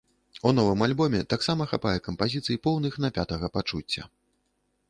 У новым альбоме таксама хапае кампазіцый, поўных напятага пачуцця.